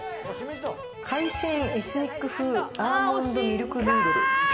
「海鮮エスニック風アーモンドミルクヌードル」。